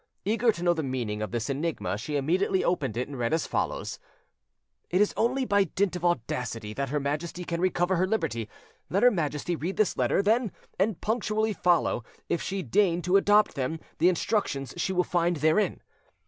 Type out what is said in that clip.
Eager to know the meaning of this enigma, she immediately opened it, and read as follows: "It is only by dint of audacity that her Majesty can recover her liberty: let her Majesty read this letter, then, and punctually follow, if she deign to adopt them, the instructions she will find therein.